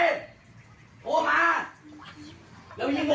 เออรอด้วย